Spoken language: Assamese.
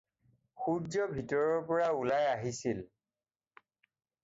সূৰ্য্য ভিতৰৰ পৰা ওলাই আহিছিল।